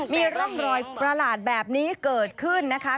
มีร่องรอยประหลาดแบบนี้เกิดขึ้นนะคะ